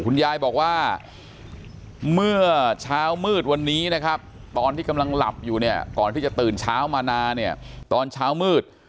คุณยายบอกว่าเมื่อเช้ามืดวันนี้นะครับตอนที่กำลังหลับอยู่เนี่ยก่อนที่จะตื่นเช้ามานาเนี่ยตอนเช้ามืด